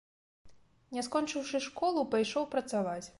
Не скончыўшы школу, пайшоў працаваць.